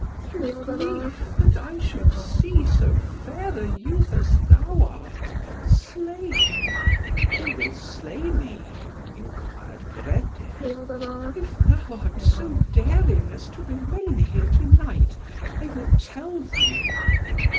"Through grief, that I should see so fair a youth as thou art, slain." "Who will slay me?" enquired Peredur. "If thou art so daring as to remain here to night, I will tell thee."